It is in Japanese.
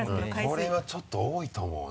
これはちょっと多いと思うな。